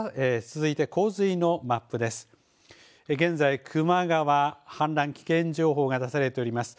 続いて洪水のマップです。